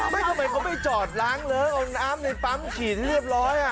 ไม่ทำไมเขาไปจอดล้างเลยเอาน้ำในปั๊มฉีดเรียบร้อย